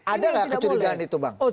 ada nggak kecurigaan itu bang